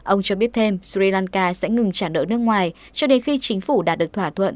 ông cho biết thêm sri lanka sẽ ngừng trả nợ nước ngoài cho đến khi chính phủ đạt được thỏa thuận